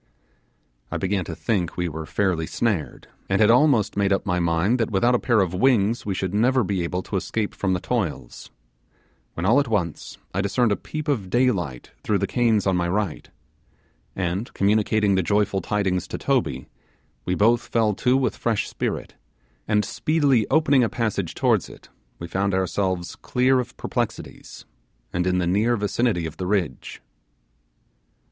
I began to think we were fairly snared, and had almost made up my mind that without a pair of wings we should never be able to escape from the toils; when all at once I discerned a peep of daylight through the canes on my right, and, communicating the joyful tidings to Toby, we both fell to with fresh spirit, and speedily opening the passage towards it we found ourselves clear of perplexities, and in the near vicinity of the ridge.